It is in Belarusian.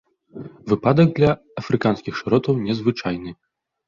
Выпадак для афрыканскіх шыротаў незвычайны.